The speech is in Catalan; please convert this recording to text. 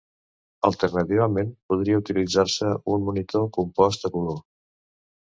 Alternativament, podria utilitzar-se un monitor compost a color.